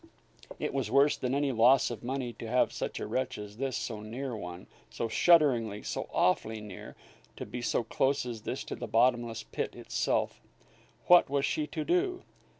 It was worse than any loss of money to have such a wretch as this so near one, so shudderingly, so awfully near, to be so close as this to the bottomless pit itself! What was she to do?